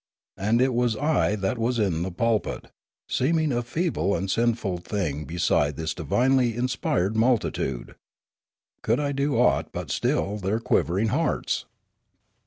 And it was I that was in the pulpit, seeming a feeble and sinful thing beside this divinely inspired multitude. Could I do aught but still their quivering hearts